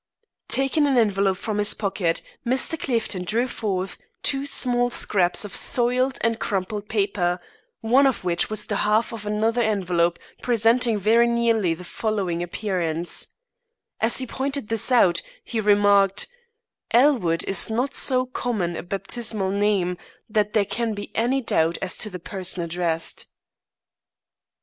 Taking an envelope from his pocket, Mr. Clifton drew forth two small scraps of soiled and crumpled paper, one of which was the half of another envelope presenting very nearly the following appearance: As he pointed this out, he remarked: "Elwood is not so common a baptismal name, that there can be any doubt as to the person addressed."